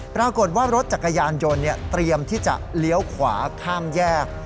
ปรากฏว่ารถจักรยานยนต์เตรียมที่จะเลี้ยวขวาข้ามแยก